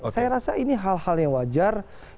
saya rasa ini hal hal yang wajar